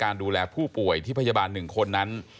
ดูแลผู้ป่วยที่พยาบาล๑คนนั้น